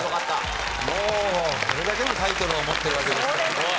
もうこれだけのタイトルを持っているわけですから。